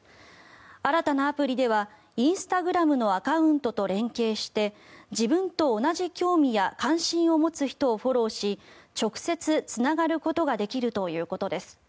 新たなアプリではインスタグラムのアカウントと連携して自分と同じ興味や関心を持つ人をフォローし直接つながることができるということです。